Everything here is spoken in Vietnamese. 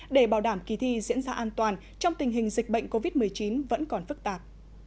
để bảo đảm kỳ thi diễn ra an toàn trong tình hình dịch bệnh covid một mươi chín vẫn còn phức tạp